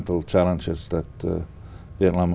đặc biệt về việt nam